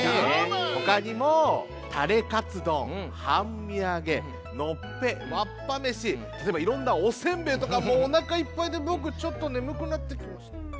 ほかにもタレかつどんはんみあげのっぺわっぱめしたとえばいろんなおせんべいとかもうおなかいっぱいでぼくちょっとねむくなってきました。